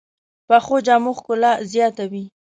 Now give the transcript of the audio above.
پخو جامو ښکلا زیاته وي